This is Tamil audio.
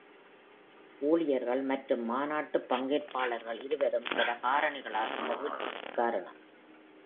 ஊழியர்கள் மற்றும் மாநாட்டு பங்கேற்பாளர்கள் இருவரும் பல காரணிகளால் இந்த வீழ்ச்சிக்கு காரணம்.